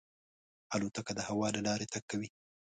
الوتکه د هوا له لارې تګ کوي.